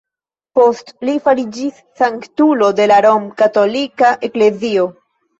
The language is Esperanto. Poste li fariĝis sanktulo de la rom-katolika Eklezio.